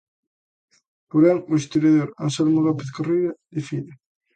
Porén, o historiador Anselmo López Carreira difire.